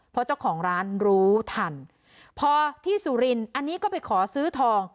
เพราะเจ้าของร้านรู้ทันพอที่สุรินทร์อันนี้ก็ไปขอซื้อทอง